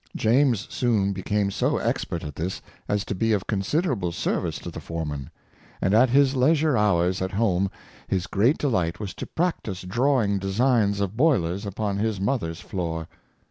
James soon became so ex pert at this as to be of considerable service to the fore man; and at his leisure hours at home his great delight was to practice drawing designs of boilers upon his mother's floor.